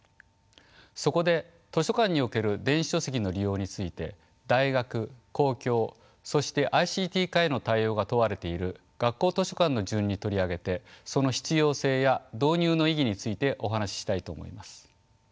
そこで図書館における電子書籍の利用について大学公共そしてＩＣＴ化への対応が問われている学校図書館の順に取り上げてその必要性や導入の意義についてお話ししたいと思います。